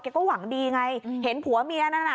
ก็หวังดีไงเห็นผัวเมียนั่นน่ะ